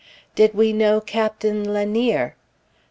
Did we know Captain Lanier?